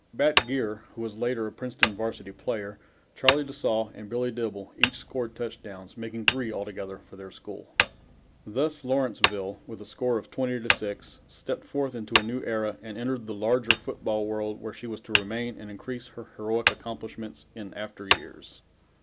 Bat Geer, who was later a Princeton Varsity player, Charlie de Saulles and Billy Dibble, each scored touchdowns, making three altogether for their school. Thus Lawrenceville, with the score 20 to 6, stepped forth into a new era and entered the larger football world where she was to remain and increase her heroic accomplishments in after years.